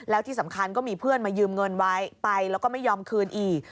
แล้วที่สำคัญก็มีเพื่อนมายืมเงินไว้ไปแล้วก็ไม่ยอมคืนอีก